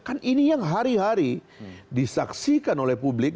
kan ini yang hari hari disaksikan oleh publik